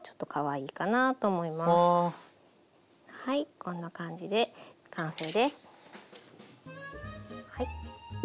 こんな感じで完成です。